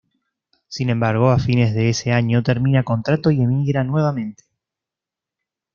Sin embargo a fines de ese año termina contrato y emigra nuevamente.